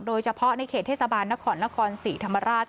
โดยเฉพาะในเขตเทศบาลนครนครศรีธรรมราช